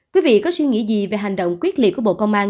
quý vị có suy nghĩ gì về hành động quyết liệt của bộ công an